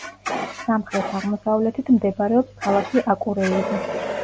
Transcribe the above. სამხრეთ-აღმოსავლეთით მდებარეობს ქალაქი აკურეირი.